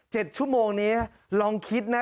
ชั่วโมงนี้ลองคิดนะ